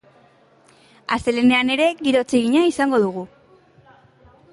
Astelehenean ere giro atsegina izango dugu.